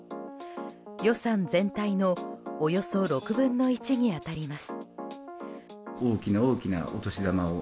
予算全体のおよそ６分の１に当たります。